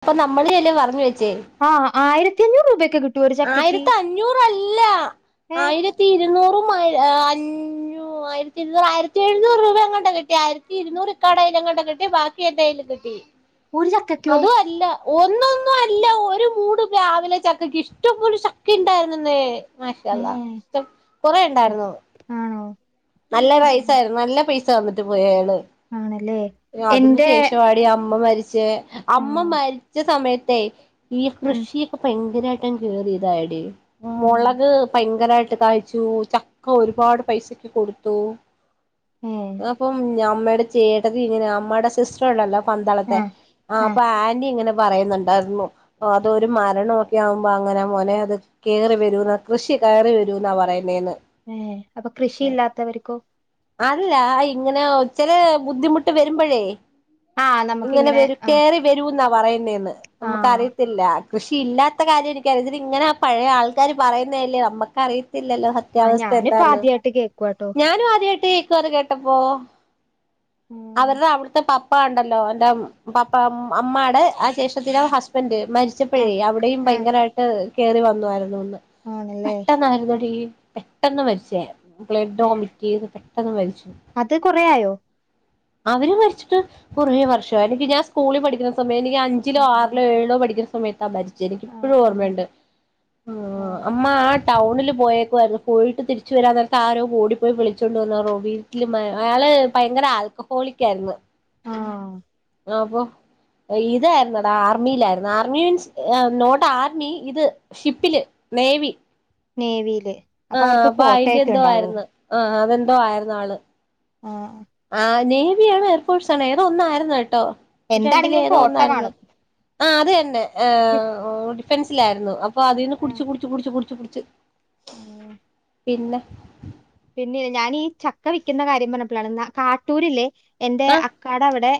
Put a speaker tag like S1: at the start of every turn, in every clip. S1: അപ്പ നമ്മള് പറഞ്ഞ വെച്ചേ
S2: ആഹ് ആയിരത്തി അഞ്ഞൂറ് രൂപക്കെ കി
S1: ആയിരത്തി അഞ്ഞൂറല്ല
S2: ഏഹ്
S1: ആയിരത്തി ഇരുന്നൂറും ആയി അഞ്ഞൂ ആയിരത്തി ഇരുന്നൂറ് ആയിരത്തി എഴുന്നൂറ് രൂപ എങ്ങാട്ട് കിട്ടി ആയിരത്തി ഇരുന്നൂറ് ഇക്കാടെ കയ്യിലെങ്ങാണ്ട കിട്ടി ബാക്കി എന്റെ കയ്യിൽ കിട്ടി
S2: ഒരു ചക്കക്കോ
S1: അതും അല്ല ഒന്നൊന്നും അല്ല ഒരു മൂട് പ്ലാവിലെ ചക്കക്ക് ഇഷ് ട്ടം പോലെ ചക്കണ്ടായിരുന്നെന്നേ മാഷാഅല്ലാഹ്‌
S2: ഏഹ്
S1: ചക് കൊറെ ഉണ്ടായിര്നോ
S2: ആണോ
S1: നല്ല
S2: ഉം.
S1: പൈസായ്ര്ന്നു നല്ല പൈസ് സന്നിട്ട് പോയയാള്
S2: ആണല്ലേ
S1: അതിനു
S2: എന്റെ
S1: ശേഷവാടി അമ്മ മരി ച്ചേ അമ്മ
S2: ആഹ്
S1: മരിച്ച സമയത്തേയ് ഈ
S2: ഉം
S1: കൃഷിയൊക്കെ ഭയങ്ങ് ങ്കരായിട്ടങ്ങ് കേറി ഇതായടി
S2: ഉം
S1: മുളക് ഭയങ്കര കായ്ച്ചു ചക്ക ഒരുപാട് പൈസക്ക് കൊടുത്തു
S2: ഏഹ്
S1: അപ്പം ഞാ അമ്മയുടെ ചേട്ടത്തി ഇങ്ങനെ അമ്മയുടെ സിസ്റ്റർ ഉണ്ടല്ലോ പന്തളത്തെ
S2: ആഹ്
S1: ആ
S2: ആഹ്
S1: അപ്പൊ ആൻ്റി ഇങ്ങനെ പറയുന്നുണ്ടായിരുന്നു അതൊരു മരണം ആവുമ്പോൾ അങ്ങനാ മോനെ അത് കയറി വരുവെന്നാ കൃഷി കയറി വരും എന്നാ പറയുന്നേന്ന്
S2: എ അപ്പൊ കൃഷിയില്ലാത്തവർക്കോ
S1: അല്ല ഇങ്ങനെ ചില ബുദ്ധിമുട്ട് വരുമ്പഴേ
S2: ആഹ്
S1: ഇങ്ങനെ
S2: നമുക്കിങ്ങനെ
S1: വരൂ
S2: ആഹ്
S1: കേറി വരൂ എന്നാ പറയുന്നേന്ന് നമുക്ക്
S2: ആഹ്
S1: അറിയത്തില്ല കൃഷി ഇല്ലാത്ത കാര്യം എനിക്കറിയത്തില്ല ഇങ്ങനാ പഴയ ആൾക്കാര് പറയുന്നതല്ലേ നമ്മുക്കറിയ ത്തില്ലല്ലോ സത്യാവസ്ഥ എന്താന്ന്
S2: കുവാട്ടോ
S1: കേട്ട്നിക്കുവാ അത് കേട്ടപ്പോ
S2: ഉം
S1: അവരുടെ അവിടുത്തെ പപ് പപ്പ ഉണ്ടല്ലോ എന്റെ പപ്പ അമ്മായുടെ ആ ജേഷ്ഠത്തീടെ ഹസ്ബൻഡ് മരിച്ചപ്പോഴേ
S2: ആഹ്
S1: അവിടെയും
S2: ആഹ്
S1: ഭയങ്കരയിട്ട് കേറി വന്നായിരുന്നുന്ന്
S2: ആണല്ലേ
S1: പെട്ടെന്നായിരുന്നടി പെട്ടെന്ന് മരിച്ചേ ബ്ലഡ്
S2: ഏഹ്
S1: ഒമിറ്റെയ്ത് പെ പെട്ടെന്ന് മരിച്ചു
S2: അത് കൊറേയായോ
S1: അവര് മരിച്ചിട്ട് കുറേ വർഷായി എനിക്ക് ഞാൻ സ്കൂളി പഠിക്കുന്ന സമയം നി ഞാ അഞ്ചിലോ
S2: ആഹ് ആഹ്
S1: ആറിലോ ഏഴിലോ പഠിക്കു സമയത്താ മരി ച്ചത്
S2: ആഹ് ആഹ്
S1: ക്കിപ്പഴോർമണ്ട്
S2: ആഹ്
S1: അമ്മ ആ ടൗണിൽ പോയേ ക്വായിരുന്നു പോയിട്ട് തിരിച്ച് വരാൻ നേ ത്താരോ ഓടിപ്പോയി വിളിച്ചോണ്ട് വന്നാണു വീട്ടില് മ ആള് ഭയങ്കര ആൽക്കഹോളിക്കയിരുന്നു
S2: ആ
S1: അപ്പൊ ഇതായിരുന്നടാ ആർമിയിലായിരുന്നു ആർമി മീൻസ് നോട്ട് ആർമി ഇത് ഷിപ്പില് നേവി
S2: നേവിയില്
S1: ആ
S2: അവർക്ക്
S1: അപ്പൊ അയിന്റെ
S2: കോട്ടയൊക്കെ
S1: എന്തോ
S2: ഉണ്ടാവോ
S1: ആയിര്ന്ന് ആ ആ എന്തോ ആയിരുന്നു ആള്
S2: ആഹ്
S1: ആ നേവിയണോ എയർഫോഴ്സാണോ ഏതോ ഒന്നായിരുന്നു കേട്ടോ
S2: എന്താണെങ്കിലും
S1: രണ്ടിലേതോ
S2: കോട്ട
S1: ഒന്നായിരുന്നു
S2: കാണും
S1: ആ അത് ന്നെ അ് ഓടി പെൻസിലായിരുന്നു അ പ്പൊ അതീന് കുടിച്ചു കുടിച്ചു കുടിച്ചു കുടിച്ചു ച്ച്
S2: ആ
S1: പിന്ന
S2: പിന്നെ ഞാൻ ഈ ചക്ക വിക്ക്ന്ന കാര്യം പർഞ്ഞപ്പോളാണ് കാട്ടൂരിലെ എന്റെ
S1: ആ
S2: അക്കാട അവടെ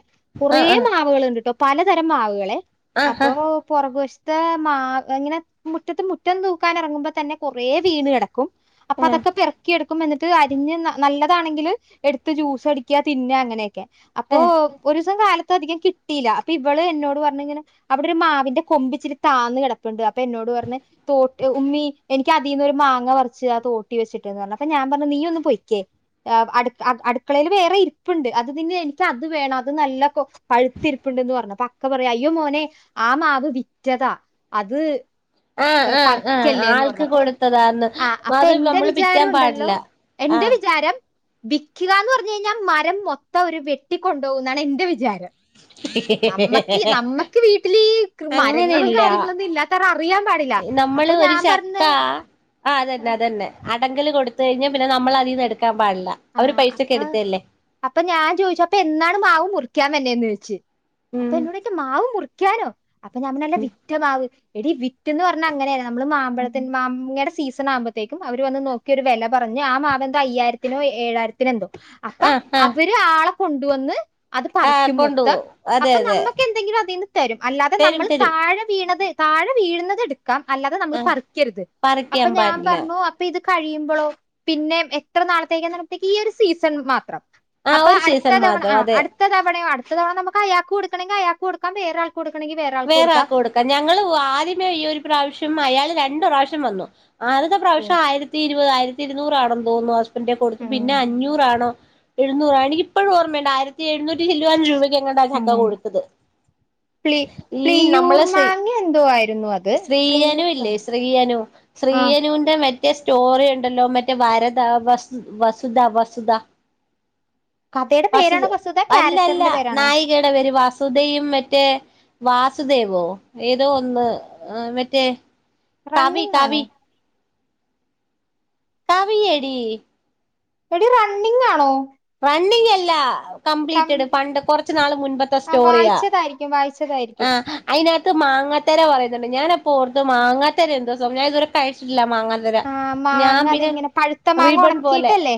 S1: ആ
S2: കുറേ
S1: ആ
S2: മാവ്കള്ണ്ട് ട്ടോ പലതരം മാവ്കളെ
S1: ആ ആ
S2: അപ്പൊ പൊറക് വശ ത്തെ മാ എങ്ങനെ മുറ്റത്ത് മുറ്റം തൂക്കാനെറങ്ങുമ്പോ തന്നെ കുറേ വീണ് കെടക്കും അപ്പൊ അതൊക്കെ പെറ ക്കും അരിഞ് നല്ലതാണെങ്കില് എട്ത്ത് ജ്യൂസടിക്ക്യാ തിന്ന അങ്ങനെക്കെ അപ്പൊ
S1: ആ
S2: ഒരുസം കാല ത്തൊരിക്കെ കിട്ടില്ല അപ്പൊ ഇവള് എന്നോട് പറഞ്ഞി ങ്ങനെ അവിടെ ഒരു മാവിന്റെ കൊമ്പിച്ചിരി താന്ന് കെടപ്പുണ്ട് അപ്പന്നോട് പർഞ്ഞ് തോട്ട് ഉമ്മി എനിക്ക് അതിന്നൊരു മാങ്ങ പറിച്ച് താ തോട്ടി വെച്ചിട്ട് ട്ട്പർഞ്ഞ് അപ്പ ഞാം പർഞ്ഞ് നീയൊന്ന് പൊയ്ക്കേ അ് അട് അഅ് അട്ക്കളയില് വേറെ ഇരിപ്പ്ണ്ട് അത് തിന്ന് എനിക്കത് വേണം അത് നല്ല കൊ പഴുത്തിരിപ്പുണ്ടന്ന് പറഞ്ഞ അ ഒക്കെ പറയാ അയ്യോ മോനെ ആ മാവ് വിറ്റതാ അത്
S1: ആ ആ ആ
S2: പറിക്കല്ലേന്ന്
S1: ആൾക്ക്
S2: പറഞ്ഞു അപ്പൊ
S1: കൊടുത്തതാന്ന്
S2: ആ അപ്പൊ
S1: അത്
S2: എന്റെ
S1: നമ്മള് പിച്ചാൻ
S2: വിചാരം ഉണ്ടല്ലോ
S1: പാടില്ല ആ
S2: എന്റെ വിചാരം വിൽക്കുകന്ന് പറഞ്ഞു കഴിഞ്ഞാൽ മരം മൊത്തം ഒരു വെട്ടിക്കൊുപോവും എന്നാണ് എന്റെ വിചാരം നമ്മക്ക് നമ്മക്ക് വീട്ടിൽ ഈ മരങ്ങളും
S1: അങ്ങനെയില്ല
S2: കാര്യങ്ങളൊന്നും ഇല്ലാത്തവരു അറിയാൻ പാടില്ല അപ്പൊ
S1: നമ്മള് ഒരു
S2: ഞാൻ പറഞ്ഞ
S1: ചക്ക അടങ്കൽ കൊടുത്ത കഴിഞ്ഞാൽ പിന്ന നമ്മ അതിീ എടു
S2: ആഹ അപ്പൊ അപ്പൊ ഞാൻ ചോദിച്ചു അപ്പൊ എന്നാണ് മാവ് മുറിക്കാ വന്നെന്ന് ചോയിച്ചു അപ്പൊ
S1: ഉം
S2: എന്നിട്ട് മാവും മുറിക്ക ക്കാനോ അപ്പൊ നമ്മളല്ലേ വിറ്റ മാവ് എടി വിറ്റ്ന്ന് പറഞ്ഞ അങ്ങനെയ നമ്മള് മാമ്പഴത്തി മാങ്ങയുടെ സീസൺ ആകുമ്പോഴത്തേക്കും അവര് വന്നു നോക്കി ഒരു വില പറഞ്ഞു ആ മാവിന്റെ അയ്യാ ത്തിനോ ഏഴായിരത്തിന് എന്തോ അപ്പൊ
S1: ആ ആ
S2: അവര് ആളെ കൊണ്ടുവന്ന് അത്
S1: ആ
S2: പറിക്കും മൊത്തം
S1: കൊണ്ടുപോകും അതെ
S2: അപ്പൊ
S1: അതെ
S2: നമുക്ക് എന്തെങ്കിലും അതിൽന്ന് തരും അല്ലാതെ
S1: തരും
S2: നമ്മൾ
S1: തരും
S2: താഴെ വീണത് താഴെ വീഴുന്നത് എടുക്ക അല്ലാതെ നമ്മൾ
S1: ആ
S2: പറിക്കരുത് അപ്പൊ
S1: പറിക്കാൻ
S2: ഞാൻ
S1: പാടില്ല
S2: പറഞ്ഞു അപ്പൊ ഇത് കഴിയുമ്പോഴോ പിന്നെ എത്ര നാള നാളത്തേക്ക് ഈ ഒരു സീസൺ മാത്രം
S1: ആ
S2: അപ്പൊ
S1: ഒരു
S2: അടുത്ത
S1: സീസൺ
S2: തവണ ആ
S1: മാത്രം അതെ
S2: അടുത്ത തവണയോ അടു അതണ നമുക്ക് അയാക്ക് കൊടുക്കണെങ്കിൽ അയാൾക്ക് കൊടുാൻ വറെരാൾ
S1: വേറെ ആക്ക കൊടുക്കാം ഞങ്ങള്ൾ ആദ്യമേ ഈ ഒരു പ്രാവശ്യം അയാൾ രണ്ട് ട്ട് പ്രാവശ്യം വന്നു ആതൊക്ക
S2: ഉം.
S1: പ്രാവശ്യം ആയിരത്തി ഇരുപതായിയിരം തിരുന്നൂറാട തോന്നുന്നു ന്റെ കൊടുത്തു
S2: ഉം,
S1: പിന്നെ അഞ്ഞൂറാണോ എഴുന്നൂറ എനിക്ക് ഇപ്പോഴ ഓർമ്മേണ്ടയിരത്തി എഴുന്നൂറ്റി ചില്ലാനം രൂപ നീ എങ്ങാട്ട ചക്ക
S2: ഉം.
S1: കൊടുത്തത്
S2: പ്ലി-
S1: ഈ
S2: പ്ലിയൂർ
S1: നമ്മളെ ശ്രീ
S2: മാങ്ങ എന്തോ ആയിരുന്നു അത്
S1: സ്ത്രീയനു
S2: പ്ലിയൂർ
S1: ഇല്ലേ ശ്രീയനു
S2: ആ
S1: ശ്രീയനുന്റെ മറ്റേ സ്റ്റോറി ഉണ്ടല്ലോ മറ്റേ വാരത വ വസുധ വസുധ
S2: കഥയുടെ പേരാണോ
S1: വസത
S2: വസ്തുത
S1: അല്ലല്ല
S2: ക്യാരക്ടറിന്റെ പേരാണോ
S1: നായികയുടെപേര് വാസ് സുധയും മറ്റേ വാസുദേവോ ഏതോ ഒന്ന് മറ്റേ കവി
S2: റണ്ണിംങ്ങാണോ
S1: കവി കവിയടി
S2: എടി റണ്ണിങ്ങാണോ
S1: റണ്ണിങ്ങല്ല കംപ്ലീറ്റഡ് പണ്ട് കൊറച്ച് നാള് മുൻപത്തെ
S2: ആ,
S1: സ്റ്റോറിയാ
S2: വായിച്ചതായിരിക്കും
S1: ആ
S2: വായിച്ചതായിരിക്കും
S1: അയ്ന ത്ത് മാങ്ങാത്തര പറയുന്നുണ്ട് ഞാനപ്പോ ഓർത്ത് മാങ്ങാത്തര എന്തോ സ ഞാൻ ഇതുവരെ കഴിച്ചിട്ടില്ല മാങ്ങാത്തര
S2: ആ
S1: ഞാൻ
S2: മാങ്ങ
S1: പിന്നെ
S2: അതിങ്ങനെ പഴുത്ത മാങ്ങ ഒണക്കീട്ടല്ലേ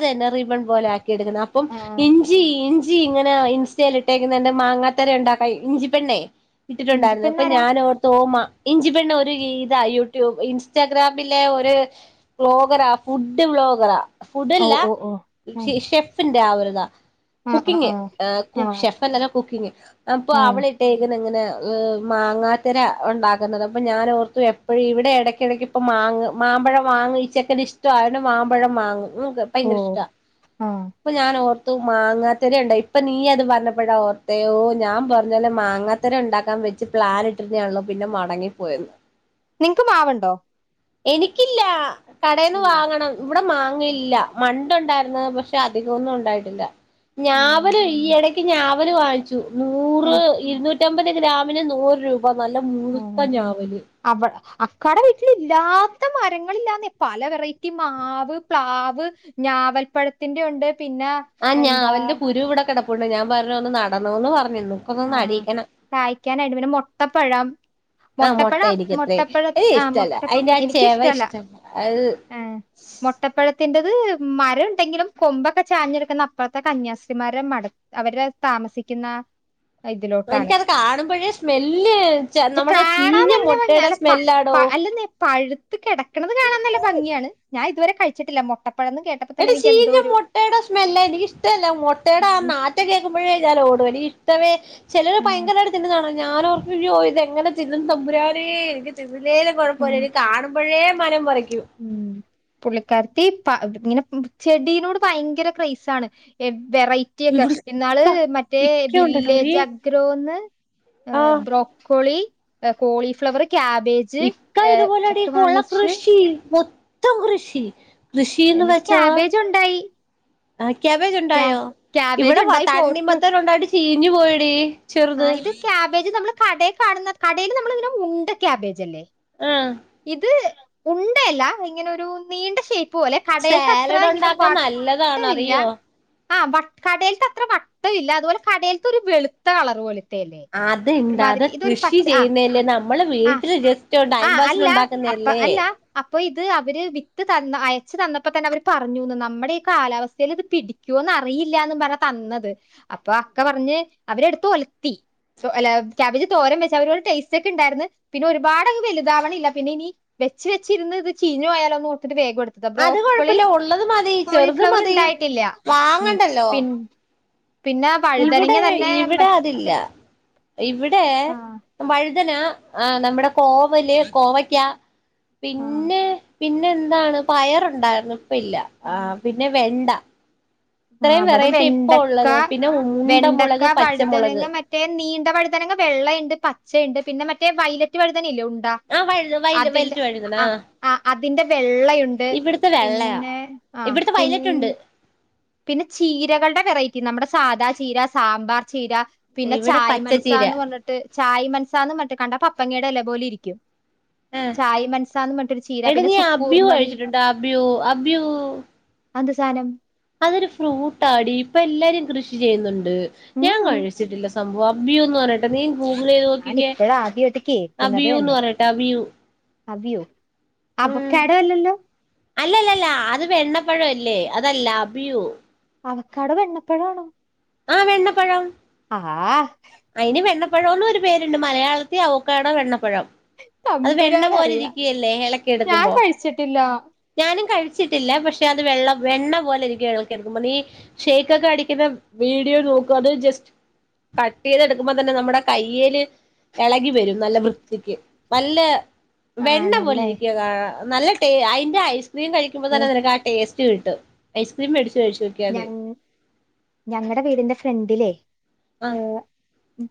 S1: അതെന്നെ റിബൺ പോലെ ആ ക്കി എട്ക്കണം അപ്പം ഇഞ്ചി ഇഞ് ഞ്ചി ങ്ങനെ ഇൻസ്റ്റയിൽ ഇട്ടേക്കുന്നെണ്ട് മാങ്ങാത്തര ണ്ടാക്കായി ഇഞ്ചിപ്പെണ്ണെ ഇട്ടിട്ടുണ്ടായിര്ന്നു അപ്പൊ
S2: ഇഞ്ചിപ്പെണ്ണാരാ
S1: ഞാൻ ഓർത്ത ഓ മ ഇഞ്ചി പെണ്ണ് ഒരു രീ താ യൂട്യൂബ് ഇൻസ്റ്റാഗ്രാമിലെ ഒര് വ്ലോഗറാ ഫുഡ് വ്ളോഗറാ
S2: ഓ
S1: ഫുഡല്ല
S2: ഓ ഓ ആ
S1: ഷി ഷെഫ് ആവരുത
S2: ആ ആ
S1: കുക്കിങ്ങ്
S2: ആ
S1: എ കു
S2: ആ,
S1: ഷെഫ് അല്ലല്ലോ കുക്കിങ്ങ് പ്പൊ
S2: ആ
S1: അവളിട്ടേക്ക്ന്ന്ങ്ങനെ ഏ മാങ്ങാത്തര ഉണ്ടാക്കുന്നത് അപ്പം ഞാനോർത്തു എപ്പെഴും ഇവിടെ എടയ്ക്കെടയ്ക്ക് ഇപ്പോ മാങ്ങ മാമ്പഴം വാങ്ങും ഈ ചെക്കന് ഇഷ്ടയൊണ്ട് മാമ്പഴം വാങ്ങും ക്ക്
S2: ഓ
S1: ഭയങ്കര ഇഷ്ട
S2: ആ
S1: അപ്പൊ ഞാനോർ ഓ മാങ്ങാത്തരണ്ടോ ഇപ്പൊ നീ അത് പറഞ്ഞപ്പഴ ഓർത്തെ ഓ ഞാൻ പ അതന്നെ മാങ്ങത്തരണ്ടാക്കാൻ വെച്ച് പ്ലാനിട്ടിരുന്നേ ഒള്ളൂ പിന്നെ മടങ്ങി പോയെന്ന്
S2: നിങ്ങ്ക്ക് മാവ്ണ്ടോ
S1: എനിക്കില്ലാ കടേന്നു വാങ്ങണം ഇവിടെ മാ ങ്ങ് ഇല്ല മണ്ട്ണ്ടായിരുന്ന് പക്ഷെ അധികൊന്നും ഉണ്ടായിട്ടില്ല
S2: ആഹ്
S1: ഞാവല് ഈയെടെ ഞാവൽ വാങ്ങച്ചു മൂ
S2: ആഹ്
S1: ഇര്ന്നൂ നുറ്റമ്പത് ഗ്രമിന് നൂറ് രൂ അപ്പ നല്ല മുഴുത്ത
S2: ആഹ്
S1: ഞാവല്
S2: അവ അക്കാടെ വീട്ടില്ഇല്ലാത്ത മരങ്ങളില്ലാന്നെ പല വെറൈറ്റി മാവ് പ്ലാവ് ഞാവൽപ്പഴത്തിന്റെ ഒണ്ട്
S1: ആ ഞാവൽന്റെ കുരു ഇവ്ടെ കെട പ്പുണ്ട് ഞാൻ പറഞ്ഞു ഒന്ന് നടന്നോന്ന് പറ
S2: ആ കായ്ക്കാനായിട്ടും പിന്നെ മൊ ട്ടപ്പഴം
S1: ആ മുട്ട
S2: മൊട്ടപ്പഴം
S1: എനിക്കത്രേ
S2: മുട്ടപ്പഴ
S1: ഏ
S2: ആ
S1: ഇഷ്ടല്ല അതിന്റെ
S2: മുട്ടപ്പഴത്തി
S1: ആ ചെവ
S2: എനിക്കിഷ്ടല്ല
S1: ഇഷ്ടല്ല അത്
S2: ആ മുട്ടപ്പഴ ത്തിന്റെത് മരം ഉണ്ടെങ്കിലും കൊമ്പൊക്കെ ചാഞ്ഞെടുക്കുന്ന അപ്പറത്തെ കന്യാസ്ത്രീമാരെ മട അവരെ താമസിക്കുന്ന ഇതിലോട്ടാണ്
S1: എനിക്കത് കാണുമ്പോഴേ സ്മെല്ല് നമ്മുടെ
S2: കാണാൻ
S1: ചീഞ്ഞ
S2: നല്ല ഭംഗിയ
S1: മുട്ടയുടെ
S2: അല്ല
S1: സ്മെല്ലാടോ
S2: പഴു അല്ലെന്നെ പഴുത്തു കിടക്കണത് കാണാൻ നല്ല ഭംഗിയാണ് ഞാൻ ഇതുവരെ കഴച്ചിട്ടില്ല മൊട്ട
S1: എടി ചീഞ്ഞ മുട്ടയുടെ സ്മെല്ല എനിക്ക് ഇഷ്ടല്ല മുട്ടയുടെ ആ
S2: ഉം
S1: നാറ്റം കേക്കുമ് അപ്പഴേ ഞാൻ ഓടുംഎനിക്ക് ഇഷ്ടവെ ചിലര്
S2: ഉം
S1: ഭയങ്കരായിട്ട് തിന്നുന്ന കാണ ഞാനോർക്കയ്യോ ഇത് എങ്ങനെ തിന്നും തമ്പുരാനേ എനിക്ക് തിന്നാ തിന്നിലെങ്കിലും
S2: ഉം
S1: കുഴപ്പമില്ല ഇത് കാണുമ്പോഴേ മനം പുര
S2: ഉം പുള്ളിക്കാർത്തി പ അ ഇങ്ങനെ ചെടിനോട് ഭയങ്കര ക്രൈസാണ് [unintelligible] വെറൈറ്റി ഒക്കെ
S1: ഇവിടെ
S2: ഇന്നാള്
S1: ഇക്ക
S2: മറ്റേ
S1: ഇക്ക ഉണ്ടല്ലോടി
S2: വില്ലേജ് അഗ്രോന്ന്എ
S1: ആഹ്
S2: ബ്രോക്കോളി കോളിഫ്ലവർ ക്യാബേജ്
S1: ഇക്ക ഇതുപോലെടി ഈ
S2: ഒക്കെ
S1: കൊള
S2: വാങ്ങിച്ച്
S1: കൃഷി മോ ത്തം കൃഷി കൃഷിന്ന്
S2: എന്നിട്ട്
S1: വെച്ചാ
S2: ക്യാബേജ് ഉണ്ടായി
S1: ആ ക്യാബേജ്‌
S2: ക്യാ
S1: ഉണ്ടായോ?
S2: ക്യാബേജ്
S1: ഇവിടെ വ
S2: ഉണ്ടായി
S1: തണ്ണിമത്തന് ഉണ്ടായിട്ട് ചീ ഞ്ഞ് പോയടി
S2: ആ
S1: ചെറുത്
S2: ഇത് ക്യാബേജ് നമ്മള് കടേ കാണ്‌ന്ന കടേല് നമ്മളിതിന്റെ മുണ്ട ക്യാബേജ് അല്ലേ
S1: ആ
S2: ഇത് ഉണ്ടയല്ലാ ഇങ്ങനെ ഒരു നീണ്ട ശൈ
S1: സേലഡ് ഉണ്ടാക്കാൻ നല്ലതാ ന്ന് അറിയോ
S2: ആ കടേല്ത്തത്ര വട്ട ഇല്ല അതോലെ കടേല്ത്തെ ഒരു വെളുത്ത കളർ പോലെ
S1: അത്ണ്ട് അത് കൃഷി
S2: ആഹ്
S1: ചെയ്യുന്നല്ലേ നമ്മള് വീട്ടില് ജസ്റ്റ് ഒര് ടൈം പാസ്
S2: ല്ല അപ്പ അല്ല അപ്പൊ ഇത് അവര് വിത്ത് തന്ന അയച്ച് തന്നപ്പോ തന്നെ അവര് പറഞ്ഞുന്ന് നമ്മടെ ഈ കാലാവസ്ഥയിൽ ഇത് പിടിക്കോന്ന് അറിയില്ലാന്ന് പറഞ്ഞ തന്നത്. അപ്പൊ അക്ക പറഞ്ഞ് അവരെടുത്ത് ഒലത്തി. അല്ല ക്യാബേജ് തോരം വെച്ച്. അവര് പറഞ്ഞ് ടേസ്റ്റ് ഒക്കെ ഇണ്ടായിരുന്നു പിന്നെ ഒരുപാടങ്ങ് വ ല്താവ്ണില്ല പിന്നേ ഇനി വെച്ച് വെച്ചിര്ന്ന് ഇത് ചീഞ്ഞ് പോയാലോന്നോർത്തിട്ട് വേ
S1: അത് കൊഴപ്പല്ല ഉള്ളത് മതി ചെറുത്
S2: കോളിഫ്ലവർ
S1: മതി
S2: ഉണ്ടായിട്ടില്ല ഉം
S1: വാങ്ങണ്ടല്ലോ
S2: പിൻ പിന്നെ
S1: ഇവിടെ
S2: വഴുതനങ്ങ തന്നെ
S1: ഇവിടെ അതില്ല
S2: മറ്റേ
S1: ഇവിടെ
S2: ആ
S1: വഴ് തന അ നമ്മടെ കോവല് കോവയ്ക്ക
S2: ആ
S1: പിന്നെ പിന്നെ എന്താണ് പയറുണ്ടായിരുന്നു ഇപ്പല്ല ആ പിന്നെ വെണ്ട
S2: ആ
S1: ഇത്രയും
S2: ഇവിടെ
S1: വെറൈറ്റി ഇപ്പ
S2: വെണ്ടക്ക
S1: ഉള്ളത് പിന്നെ
S2: വെണ്ടക്ക
S1: ഉണ്ടമുളക്
S2: വഴുതനങ്ങ
S1: പച്ചമുളക്
S2: മറ്റേ നീണ്ട വഴ്തനങ്ങ വെള്ളയ്ണ്ട് പ ച്ചയ്ണ്ട് പിന്നെ മറ്റേ വൈലറ്റ് വഴുതനല്ലേ ഉണ്ട
S1: ആ വഴുത വയല്
S2: അതിന്റെ
S1: വയലറ്റ് വഴുതന
S2: ആ ആ അതിന്റെ വെള്ളയുണ്ട്
S1: ഇവിടുത്തെ വെള്ളയാ
S2: പിന്നെ ആ
S1: ഇവിടുത്തെ വൈലറ്റ്
S2: പിന്
S1: ഉണ്ട്
S2: പിന്നെ ചീരകള്ടെ വെറൈറ്റി നമ്മടെ സാദാ ചീര സാമ്പാർ ചീര പിന്നെ
S1: ഇവിടെ
S2: ചായ്
S1: പച്ചച്ചീര
S2: മൻസാന്ന് പറഞ്ഞിട്ട് ചായ് മനസാന്ന് പറഞ്ഞിട്ട് കണ്ടാപ പങ്ങടെ എല പോലെരിക്കും
S1: ഏ എടാ
S2: പിന്നെ
S1: നീ അബ്യു
S2: സുക്കൂർമണി
S1: കഴിച്ചിട്ടുണ്ടോ അബ്യു അബ്യൂ
S2: അതെന്ത്‌ സാനം
S1: അതൊരു ഫ്രൂട്ടാടി ഇപ്പൊ എല്ലാരും കൃഷി ചെയ്യുന്നുണ് ണ്ട്
S2: ഉം
S1: ഞാൻ
S2: ഉം
S1: കഴിച്ചിട്ടില്ല സ് സംഭവം അബ്യുന്ന് പറണ നീ ഗൂഗിളയ്ത് നോക്കിക്കേ
S2: ഞാനിപ്പഴാ ആദ്യായിട്ട്
S1: അബ്യുന്ന് പറയട്ടെ അബ്യു
S2: അത്യോ അവക്കാഡോല്ലല്ലോ
S1: അല്ലല്ലല്ല അത് വെണ്ണപ്പഴ അല്ലേ അതല്ല അഭിയു
S2: അവക്കാഡോ വെണ്ണപ്പഴാണോ
S1: ആഹ് വെണ്ണപ്പഴം
S2: ആഹ്ആ
S1: അയിനി വെണ്ണ പ്പഴോന്നും ഒരു പേരുണ്ട് മലയാളത്തി അവക്കാഡോ വെണ്ണപ്പഴം അത് വെണ്ണ പോലെ
S2: തമ്പുരാനറിയാം
S1: ഇരിക്കുകല്ലേ ഇളക്കി
S2: ഞാൻ
S1: എടുക്കുമ്പോ
S2: കഴിച്ചിട്ടില്ല
S1: ഞാനും കഴി ച്ചിട്ടില്ല പക്ഷെ അത് വെള്ള വെണ്ണ പോലെ എളക്കിയെടുക്കുമ്പൊ നീ ഷെയ്ക്ക് ഒക്കെ അടിക്കുന്ന വീഡിയോ നോക്കു അത് ജസ്റ്റ് ട്ടെയ്ത് എടുക്കുമ്പോ തന്നെ നമ്മുടെ കയ്യില് ഇളകി വരും നല്ല വൃത്തിക്ക് നല്ല വെണ്ണ പോലെ
S2: ആണല്ലേ
S1: ഇരിക്കുക നല്ല ടേ അയിന്റെ ൻ കഴിക്കുമ്പൊ
S2: ദേ
S1: തന്നെ നിനക്ക് ആ ടേസ്റ്റ് റ്റ് കിട്ടും ഐസ്ക്രീം വേടിച്ചു
S2: ഞ ഞങ്ങടെ വീടിന്റെ ഫ്രണ്ടിലേ
S1: ആ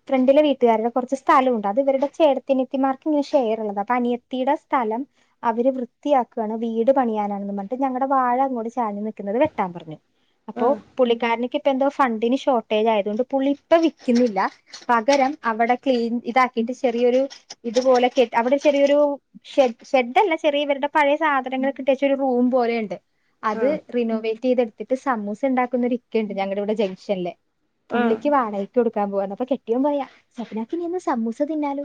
S2: ഫ്രണ്ടിലെ വീട്ടുകാരുടെ കുറച്ച് സ്ഥലമുണ്ട് അത് ഇവരുടെ ചേട്ടത്തിനത്തിമാർക്ക് ഇങ്ങനെ ഷെയറുള്ളതാ അപ്പൊ അനിയത്തിയുടെ സ്ഥലം അവര് വൃത്തിയാക്കാണ് വീട് പണിയാനാണെന്നും പറഞ്ഞിട്ട് ഞങ്ങടെ വാഴ അങ്ങോട്ട് ചാഞ്ഞ് നിൽക്കുന്നത് വെട്ടാൻ പറഞ്ഞു
S1: ആ
S2: അപ്പോ പുള്ളിക്കാരനിക്ക് ഇപ്പ എന്തോ ഫണ്ടിന് ഷോർട്ടേജ് ആയതുകൊണ്ട് പുള്ളി ഇപ്പ വിൽക്കുന്നില്ല പകരം അവിടെ ക്ലീൻ ഇതാക്കിട്ട് ചെറിയൊരു ഇതുപോലെ കെ അവിടെ ചെറിയൊരു ഷെഡ് അല്ല ചെറിയ ഇവരുടെ പഴയ സാധനങ്ങളൊക്കിട്ടച്ച ഒരു റൂം പോലെയുണ്ട്
S1: ആ
S2: അത് റിനോവേറ്റ് ചെയ്തെടു സമൂസ ഉണ്ടാക്കുന്നൊരു ഇക്ക ഉണ്ട് ഞങ്ങളുടെ ഇവിടെ ജംഗ്ഷനില്
S1: ആ
S2: പുള്ളിക്ക് വാടകക്ക് കൊടുക്ക ക്കാൻ പോവാന്ന് അപ്പൊ കെട്ടിയോൻ പറയാ ഞങ്ങള്ക്ക് ഇനി എന്നും സമൂസ തിന്നാലോ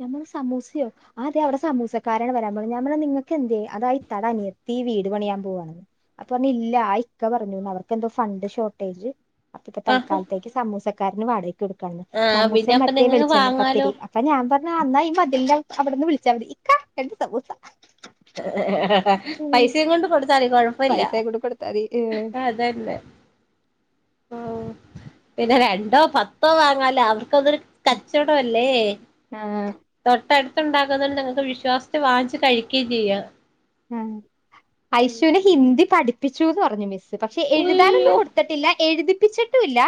S2: ഞാൻ പറഞ്ഞു സമൂസയോ അതെ അവിടെ സമൂസക്കാരാണ് വരാൻ പോവുന്നേ ഞാൻ പറഞ്ഞു നിങ്ങക്കെന്തേ അതായി ക്കാനിയത്തി വീട് പണിയാൻ പോവാണെന്ന് അപ്പൊ പറഞ്ഞില്ല ക്ക പറഞ്ഞു അവർക്കെന്തോ ഫണ്ട് ഷോർട്ടേജ് അപ്പൊപ്പ
S1: ആഹ്
S2: തൽക്കാലത്തേക്ക് സമൂസ ക്കാരന് വാട ടുക്കാന്ന്
S1: ആ
S2: സമൂസേ
S1: പിന്നെ അപ്പൊ
S2: മറ്റേ
S1: നിങ്ങക്ക്
S2: വിളിച്ചെണ്ണ
S1: വാങ്ങാലോ
S2: പത്തിരി അപ്പ ഞാൻ പറ അന്നാ ഈ മതിലിന്റെ അവിടെന്ന് വിളിച്ചാ മതി ഇക്കാ രണ്ട് സൂസ
S1: പൈസയും കൊണ്ട് കൊടുത്താലെയ് കൊഴപ്പില്ല
S2: പൈസ കൂടെ കൊടുത്താതി
S1: ആതെതെ പിന്നെ രണ്ടോ പത്തോ വാങ്ങാലോ അവർ ക്കതൊരു കച്ചവടം അല്ലേ
S2: ആഹ്
S1: ടുത്തുണ്ടാക്കുന്നോണ്ട് നിങ്ങക്ക് വിശ്വാസത്തെൽ വാങ്ങിച്ച് കഴിക്കുകയും ചെയ്യാം
S2: ആ ഐശുവിനെ ഹിന്ദി പഠി പ്പിച്ചുന്ന് പറഞ്ഞു മിസ് പക്ഷെ എഴുതാനൊന്നും
S1: ഉയ്യോ
S2: കൊടുത്തിട്ടില്ല എഴുതി [unintelligible] ട്ടു വില്ല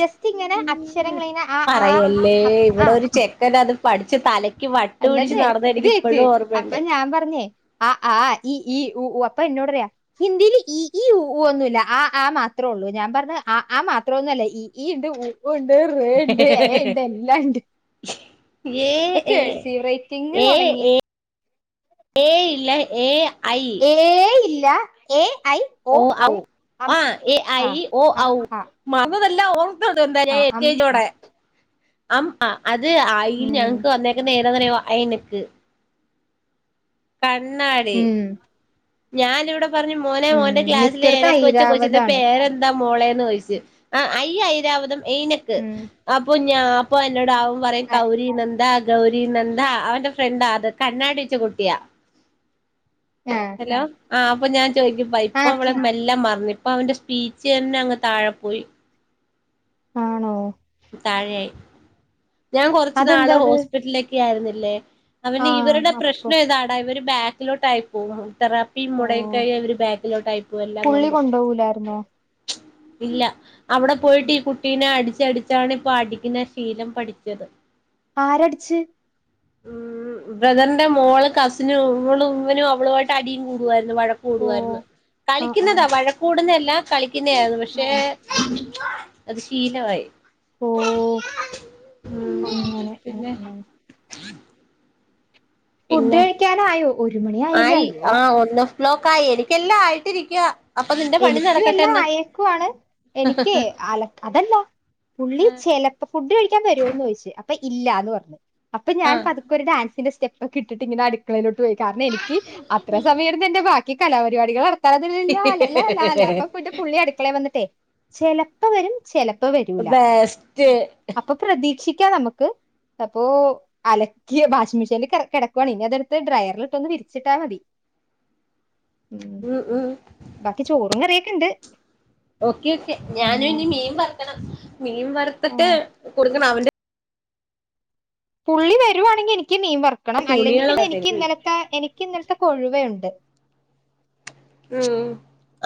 S2: ജസ്റ്റ് ഇങ്ങനെ അക്ഷരങ്ങളിങ്ങിനെ ആ ആ ആ
S1: പഠിച്ചു തല
S2: അല്ലതെ ഇത് കേക്ക് അപ്പൊ ഞാൻ പറഞ്ഞേ ആ ആ ഈ ഈ ഊ അപ്പൊ എന്നോട്റിയാ ഹിന്ദിയില് ഈ ഈ ഊഊ ഒന്നുവില്ല ആ ആ മാത്രേ ഉള്ളൂ ഞാൻ പറഞ്ഞ് ആ ആ മാത്രമൊന്നു വല്ല ഈ ഈ ഉണ്ട് ഊ ഉ ണ്ട് റേ ണ്ട് എ ണ്ട് എല്ലാണ്ട്
S1: എഏ എഏ
S2: തുടങ്ങി
S1: ഏ ഇല്ല ഏ ഐ
S2: ഏ ഇ ര ഏ
S1: ഓ ആ എ ഐ
S2: ആ
S1: ഓ
S2: അം
S1: ഔ
S2: ആ
S1: മാർക്ക്ത അല്ല ഓ എ എന്താ
S2: ആ
S1: എ
S2: അം ആ
S1: കേജോടെ അം ആ അത് ആയിന്ന്
S2: ഉം
S1: ഞങ്ങക്ക് വന്നേക്കുന്ന അങ്ങനെ വാ ഐനക്ക് കണ്ണാടി
S2: ഉം
S1: ഞാനിപ്പിടം പറഞ്ഞു മോനെ
S2: ഉം
S1: മോന്റെ ക്ലാസ്സില്
S2: മിക്കടത്ത്
S1: ഏതക്കെച്ച കൊച്ചിന്റെ
S2: ഐരാവതാണ്
S1: പേരെന്താ മോളേന്നോയിച്ച് അ ഐ ഐരാവതം എയിനക്ക്
S2: ഉം
S1: അപ്പൊ ഞാ അപ്പോ എന്നോടാവും പറയ്
S2: ആ
S1: കൗരി നന്ത ഗൗരി നന്ദ അവന്റെ ഫ്രണ്ടാ അത് കണ്ണാടിച്ച കുട്ട്യാ
S2: ആ
S1: ഹലോ ആ പ്പ ഞാൻ ചോയിക്കും പൈപ്പോവളെ
S2: ആക്കെ
S1: മെല്ല മറ്ഞ്ഞ് അപ്പൊ അവന്റെ സ്പീച്ചേന്നെ അങ്ങ് താഴെ പോയി
S2: ആണോ
S1: താഴെയായി ഞാൻ കൊറച്ച് നാള്
S2: അതെന്താ അത്
S1: ഹോസ്പിറ്റലിലൊക്കെ ആയിര്ന്നേ ല്ലെ
S2: ആ
S1: അവന് ഇവര്ടെ
S2: അപ്പൊ
S1: പ്രശ്നം ഇതാടാ ഇവര് ബേക്കിലോട്ടയിപ്പോവും തെറാപ്പി
S2: ഓ
S1: മൊടങ്ങികഴിഞ്ഞ ഇവര് ബാക്കിലോട്ടായി പോവും എല്ലാം
S2: പുള്ളി
S1: കൊണ്ടും
S2: കൊണ്ടോവൂലായിരുന്നോ
S1: ഇല്ല അവിടെ പോയിട്ട് ഈ കുട്ടീനെ അടിച്ചടിച്ചാണ് ഇപ്പൊ അടിക്ക്ന്ന ശീലം പഠിച്ചത്
S2: ആരടിച്ച്
S1: ഉം ബ്രദറിന്റെ മോള് കസിനും ഇവളും ഇവനും അവളുവായിട്ട് അടിം കൂടുവാ വഴക്ക്
S2: ഓ
S1: കൂടുവായിരുന്നു
S2: ആഹ്
S1: കളിക്ക്ന്നതാ
S2: ആഹ്
S1: വഴക്ക് കൂടുന്നെ കളി ക്ക്ന്നേയെനു പക്ഷെ
S2: ആഹ്
S1: അത് ശീലവായി
S2: ഓ
S1: ഉം
S2: അങ്ങനെ ഉം
S1: പിന്നെ
S2: ഉം ഫുഡ്
S1: പിന്നെ
S2: കഴിക്കാനായോ ഒരു മണി ആയില്ലേ അയ്യോ
S1: ബ്ലോക്കായി എനിക്ക്ല്ലാം ആയിട്ടിരിക്കാ
S2: എനിക്കു എല്ലാം അയേക്കുവാണ് എനിക്ക് അല അതല്ല പുള്ളി ചെലപ്പ ഫുഡ് കഴിക്കാ വ വരോന്ന് ചോയിച്ച് അപ്പ ഇല്ലാന്ന് പറഞ്ഞ് അപ്പ
S1: ആ ആ
S2: ഞാൻ പത്ക്കൊരു ഡാൻസിന്റെ സ് സ്റ്റ്പ്പോക്കെ ഇട്ടിട്ട് ഇങ്ങനെ അട്ക്കളയിലോ [unintelligible] കാരണം എനിക്ക് അത്ര സമയയിട്ന്നെന്നേ ഭാ ഈ കലാപരിപാടികളാ തല തിരിഞ്ഞാലേ അല്ല അല്ലാ അല്ല അപ്പൊ പിന്നെ പുള്ളി അട്ക്കളെ വന്ന്ട്ടേ ചെല പ്പ വരും ചെല
S1: ബെസ്റ്റ്
S2: പ്രതീക്ഷിക്കാം നമുക്ക് അപ്പോ അലക്കിയ വാഷിംഗ മെഷീനിൽ കിടക്കുവാണ് ഇനി അതടുത്ത് ഡ്രയറിലിട്ടൊന്ന് വിരിച്ചിട്ടാ മതി
S1: ഉം ഉം
S2: ബാക്കി ചോറും കറിയൊക്കെണ്ട്
S1: ഓക്കെ ഒക്കെ ഞാനും ഇനി മീൻ വറക്കണം മീൻ വറുത്തിട്ട് കൊടുക്കണം അവന്റെ
S2: പുള്ളി വരുവാണെങ്കിൽ എനിക്ക് മീൻ വറു ക്കണം അല്ലെങ്കിൽ പിന്നെ
S1: തുണികളൊക്കെ
S2: എനിക് ഇന്നലത്തെ എനി ഇന്നത്തെ കൊഴുവഉണ്ട്
S1: ഉം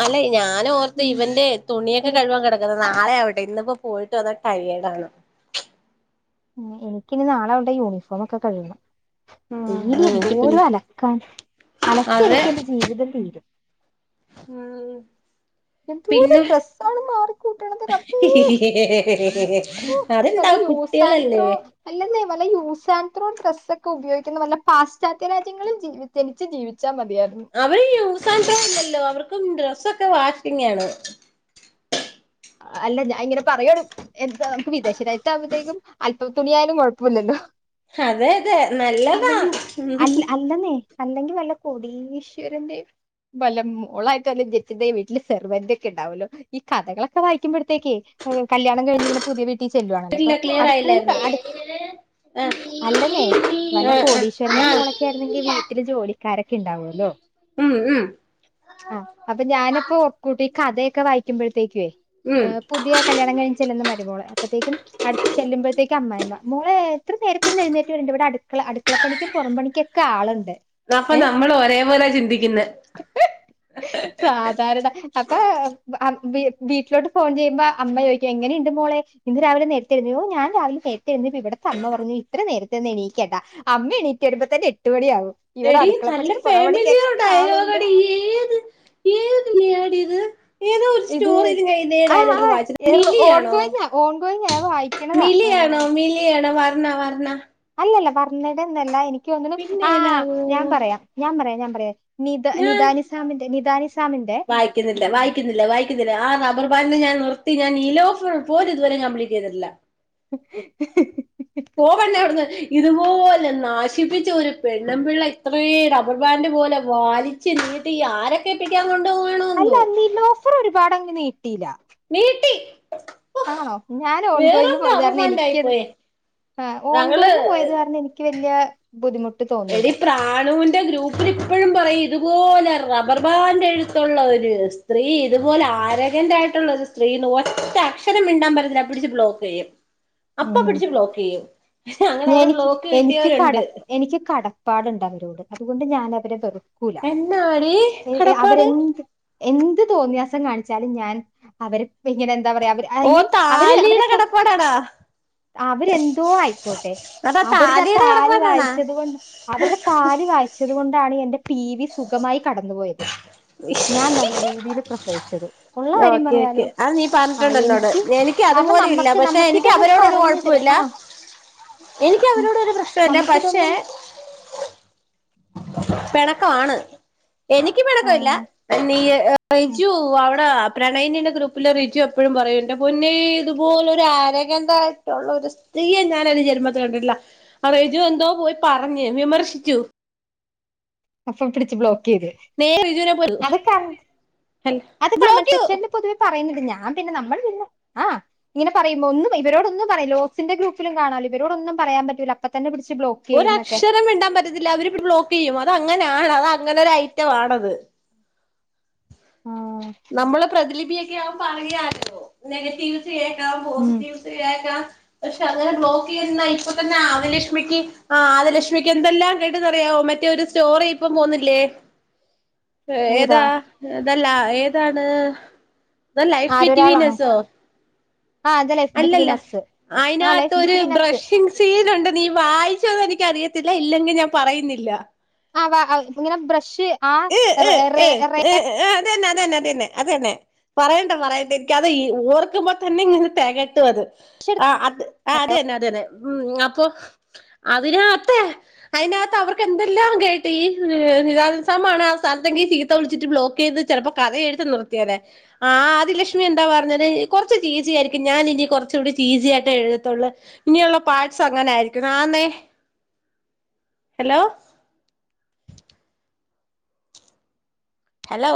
S1: അല്ല ഞാനൻ ഓർത്ത് ഇവന്റെ തുണിയൊക്കെ
S2: എനിക്ക്
S1: കഴവാൻ കിടക്കുന്നതാ നാളെ ആവട്ടെ ഇന്ന് പോയി വന്നിട്ട് റ്റായേഡ് ആണ്
S2: എനിക്കിനി നാളെ അവളുടെ യൂണിഫോമൊക്കെ കഴികണം ഡെയിലി എന്തോര
S1: ആഹ്
S2: അലക്കാൻ അലക്കി
S1: അതെ
S2: അലക്കി എന്റെ ജീവിതം തീരും
S1: ഉം
S2: എന്തോരം
S1: പിന്നെ
S2: ഡ്രസ്സാണ് മാറിക്കൂട്ടണത് റബേ ഒ പല
S1: അതെന്താ കുട്ടികളല്ലേ
S2: യൂസൻത്രോ അല്ല യൂസ് ആൻഡ് ത്രോ ഡ്രസ് ഒക്കെ ഉപയോഗിക്കുന്നവല്ല പാശ്ചാത്യ രാജ്യങ്ങളും ജനിച്ച് ജീവി
S1: അവര് യുസ് ആൻഡ് ത്രോ അല്ലാലോ അവർക്കും ഡ്രെസ്സൊക്കെ വാഷിങ്ങാണ്
S2: അല്ല ഞാൻ ഇങ്ങനെ പറയണ് എന്താ നമുക്ക് വിദേശരാജ്യത്താവുമ്പോതെക്കും അല്പം തുണിയായാലും കുഴപ്പോല്ലല്ലോ
S1: അതെ അതെ നല്ലതാ
S2: അല്ല അല്ലെന്നേ അല്ലെങ്കിൽ വല്ല കൊടീശ്വരന്റെയും വല്ല മോളായിട്ട് വല്ല ജനിച്ചിണ്ടെൽ വീട്ടിൽ സെർവൻറെ ഒക്കെ ഉണ്ടാവുല്ലോ ഈ കഥകളൊ ക്കെ വായിക്ക്പഴത്തേക്ക് കല്യാണം കഴിഞ്ഞിങ്ങനെ പുതിയ വീ ചെല്ലുവാണല്ലോ അപ്പോ
S1: കേട്ടില്ല ക്ലിയർ
S2: അടുക്കളേൽ
S1: ആയില്ലായിരുന്നു
S2: പാട് അല്ലെന്നേ വല്ല
S1: ആ ആ ആ
S2: കോടീശ്വരന്റെ മോളൊക്കെ ആയിരുന്നെങ്കിൽ
S1: ആ
S2: വീട്ടില് ജോലിക്കാരൊക്കെ ഉണ്ടാവല്ലോ
S1: ഉം ഉം
S2: ആ അപ്പൊ ഞാനപ്പോ ക്കൂട്ടി കഥയൊക്കെ വായിക്കുമ്പോഴത്തേക്കുവേ
S1: ഉം
S2: ഏഹ് പുതിയ കല്യാണം കഴിഞ് ചെല്ലുന്ന മരുമോളെ അപ്പോയത്തക്കും അടുത്ത് ചെല്ല്പോഴത്തേക്കും അമ്മായി അമ്മ മോളെ എത്ര നേരതോന്നും എഴുന്നേറ്റ് വരണ്ട ഇവിടെ അടുള അടുക്കളപ്പണിക്കും പുറം പണിക്കോക്കെ ആളുണ്ട്
S1: അപ്പൊ
S2: ഏ
S1: നമ്മൾ ഒരേപോലെ ചിന്തിക്കുന്നെ
S2: സാധാരണ അപ്പൊ വീട്ട് വീട്ടിലോട്ട് ഫോൺ ചെയ്യുമ്പോ അമ്മ ചോദിക്കും എനെയുണ്ട് മോളെ ഇന്ന് രാവിലെ നേരത്തെ [unintelligible] ഒ ഞൻ രാവിലെ നേരത്തെ [unintelligible] ഇവിടുത്തെ അമ്മ പറഞ്ഞു ഇത്ര നേരത്തെന്നും എണീക്കണ്ട അമ്മ എണീറ്റ് വരൂമ്പോത്തന്നന്റെ എട്ട് മണിയാവും ഇവിടെ
S1: എടിനല്ല
S2: അടുക്കളപ്പണിക്കും
S1: ഫാമിലിയ
S2: പുറംപണിക്കൊക്കെ ആളുണ്ട്
S1: ഡിസ്യലോഗടി ഏത് ഏത്ടി ഇത്
S2: ഇത് ആ ആ
S1: വായിച്ചത്
S2: ഓൺ
S1: മിലിയാണോ
S2: കോയിങ്ങ ഓൺ കോയിങ്ങ ഞവായിക്കണതാ ആ
S1: അണ വർന്ന
S2: അല്ല അല്ല വരണേടെന്നുഅല്ല എനി നിക്കൊന്നുന്നു
S1: പിന്നെ
S2: ആ
S1: ഏതാവോ
S2: ഞാൻ പറയാം ഞാൻ പറയാം ഞാൻ പറയാ നിദ
S1: ഞാൻ
S2: നിദാനി സാമിന്റെ നിതാ നി
S1: വായിക്കുന്നില്ല വായിക്കുന്നില്ല വായിക്കുന്നില്ല ആ ബർബാലെ ഞാൻ നിർത്തി ഞാൻ നീലോഫർ പോലും ഇതുവരെ കംപ്ലീറ്റ് ചെയ്തിട്ടില്ല പോകണ്ട അവിടുന്ന് ഇതുപോലെ നാശിപ്പിച്ച ഒരു പെണ്ണുംപിള്ള ഇത്ര റബ്ബർ ബാൻഡ് പോലെ വാലിച്ച് നീട്ടി ഈ ആരൊക്കെ പറ്റിയ
S2: അല്ല നീലോഫ് ർ ഒരുപാട്ങ്ങനെ നീട്ടിയില്ല
S1: നീട്ടി
S2: ആണോ ഞാൻ ഓൺഗോയിങ്ങ്
S1: വേറും റബ്ബർ
S2: പോയതാരണം
S1: ബാൻഡായി
S2: എനിക്കത്
S1: പോയേ
S2: ആ
S1: ഞങ്ങള്
S2: ഓൺഗോയിങ്ങ് പോയത് കാരണം എനിക്ക് വല്യ ബുദ്ധിമു
S1: എടി പ്രാണുവി എന്റെ ഗ്രൂപ്പില് ഇപ്പഴും പറയും ഇതുപോലെ റബ്ബർ ബാൻഡ് എഴ്‌ത്തോള്ള ഒര് സ്ത്രീ ഇതുപോലെ ആരഗന്റായിട്ടുള്ള ഒരു സ്ത്രീന്ന് ഒറ്റ അക്ഷരം മിണ്ടാൻ പറ്റത്തില്ല പിടിച്ച് ബ്ലോക്ക് ചെയ്യും അപ്പ
S2: ഉം
S1: പിടിച്ച് ബ്ലോക്ക്ക്കെയ്യും
S2: ഞാൻ
S1: ഞങ്ങളവിടെ
S2: എനിക്ക്
S1: ബ്ലോക്ക് കിട്ടിയവര്ണ്ട്
S2: പാട്ണ്ട് അവരോട് അതുകൊണ്ട് ഞൻ അവരെ വെറു
S1: എന്നാടി കടപ്പാട്
S2: അവരെന്ത് എന്ത് തോന്നിയാസം കാണിച്ചാലും ഞാൻ അവര് ഇപ്പഇങ്ങനെ
S1: ഓ താലിടെ കടപ്പാടാണോ
S2: അവരെന്തോ ആയിക്കോട്ടെ
S1: അതാ
S2: അവരുടെ ആ
S1: താലിയുടെ
S2: താലി
S1: കിടപ്പാടാണോ
S2: വായിച്ചത് കൊണ്ട് അവര് താലി വായിച്ചത് കൊണ്ടാണ് എൻ ന്റെ പി വി സുഖമായി കടന്നുപോയത് ഞാൻ നല്ല രീതിയില് പ്രസ ച്ചതു
S1: ഓക്കെ ഓക്കെ അത് നീ പറഞ്ഞട്ടുണ്ട് എന്നോട് എനിക്ക്
S2: കാരണം
S1: അതുപോലും ഇല്ല
S2: നമ്മക്ക്
S1: പക്ഷെ എനിക്ക്
S2: നമ്മക്കിതൊന്നും
S1: അവരെ ന്നൊടൊരു
S2: പറഞ്ഞു തരാ
S1: കൊഴപ്പെല്ല
S2: ആഹ്
S1: എനിക്ക്
S2: ഉം
S1: അവരോട് ഒരു പ്രശ്നോംഇല്ല പക്ഷേ
S2: നമ്മക്കിതൊന്നും
S1: പെണക്കം ആണ് എനിക്ക് പെണക്കം ഇല്ല
S2: ആഹ്
S1: നീ
S2: ഉം
S1: ജു അവിടെ പ്രണയിന്റെ ഗ്രൂപ്പിലെ റിജു എപ്പഴും പറയും എന്റെ പൊന്നെ ഇതുപോലെ ഒരു ആരകഗന്റായിട്ടുള്ള ഒരു സ്ത്രീയെ ഞാൻ എന്റെ ജന്മത്തിൽ കണ്ടില്ല ആ റിജു എന്തോ പോയി പറഞ്ഞ് വിമർശിച്ചു
S2: അപ്പൊ പിടിച്ചബ്ളോ ക്ക്‌യ്ത്
S1: നേരെ റിജുവിനെ പോയി
S2: അത് കമന്റ്
S1: അല്ല
S2: അത് കമന്റ്
S1: ബ്ലോക്ക് ചെയ്തു
S2: സെക്ഷന്ല് പൊതുവെ പറയന്ന് ഞാൻ പിന്നെ നമ്മൾ പിന്നെ ആ ഇങ്ങനെ പറുമ്പോ ഒന്ന് ഇവോട് ഒന്നും പറയില്ല ലോസിന്റെ ഗ്രൂപ്പിലും കാണാലൊ ഇവരോടൊന്നും പറയാൻ പറ്റൂല്ല അപ്പതന്നെ പിടിച്ച് ബ്ലോക്ക് ചെയ്യും എന്നൊക്കെ
S1: ഒരക്ഷരം മിണ്ടാൻ പറ്റത്തില്ല അവര് ബ്ലോക്കെയ്യും അത അങ്ങനാണ് അത അങ്ങനെ ഒരു ഐറ്റംവാണത്
S2: ആഹ്
S1: നമ്മളെ പ്രതിലിപിയ ക്കെവുമ്പം അറിയാലോ നെഗറ്റീവ് റ്റ് കേക്കാം
S2: ഉം
S1: പോസിറ്റീവ്സ് കേക്കാം പക്ഷെ അങ്ങനെ ബ്ലോക്ക് ചെയ്ന്ന ഇപ്പൊ തന്നെ ആദിലഷ്മിക്ക് ആ ആദലഷ്മിക്ക് എന്തെല്ലാം കേട്ടന്ന്റിയാവോ മറ്റേ ഒരു സ്റ്റോറി ഇപ്പൊ പോന്നില്ലേ ഏതാ ഇതല്ലാ എ ആതാണ് ദ ലൈഫ് ബിറ്റ്
S2: ആരൊരാളാണോ
S1: വിനസൊ
S2: ആഹ് അത് ലൈഫ് ബിറ്റ്വീൻ
S1: അല്ലല്ല
S2: അസ് ആഹ് ലൈഫ്
S1: അയിനാത്തോര് ഒരു
S2: ബിറ്റ്വീൻ അസ്
S1: ബ്രഷിങ് സീൻ ഉണ്ട് നീ വായിച്ചോന്ന് എനിക്കറിയ ത്തില്ല ഇല്ലെങ്കി ഞാൻ പറയുന്നില്ല
S2: ആ വാഹാവ് ഇങ്ങനെ ബ്രഷ് ആ
S1: ഏ ഏ
S2: റേ
S1: ഏ
S2: റേ
S1: ഏ അതന്നെ അതന്നെ അതന്നെ അത് തന്നെ പറയണ്ട പറയണ്ടെ എനിക്ക് അത് ഓർക്കുമ്പോൾ തന്നെ ഇങ്ങനെ തെകയ്ട്ടും അത്
S2: റേ
S1: ആ അത് ആ അതന്നെ അതന്നെ ഉം അപ്പൊ അതിനകത്ത അതിനകത്ത് അവർക്ക് എന്തെല്ലാം കേട്ട് [unintelligible] മാണ് ആ സ്ഥലത്തെങ്ക ചീത്ത വിളിച്ചിട്ട് ബ്ലോക്ക് ചെയ്ത് ചിലപ്പോ കഥ എഴുത്ത് നിർത്തിയാനെ ആ ആദ്യ ലക്ഷ്മി എന്താ പറഞ്ഞാല് കൊറച്ച് ഈസി ആയിരിക്കും ഞാനിനി കുറച്ചു ഈസി ആയിട്ടെ എഴുതൊള്ളൂ ഇനിയുള്ള പാർട്സ് അങ്ങനെ ആയിരിക്കും ആന്നേ ഹലോ ഹലോ